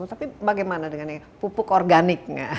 tapi bagaimana dengan pupuk organiknya